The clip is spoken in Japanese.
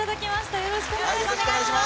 よろしくお願いします。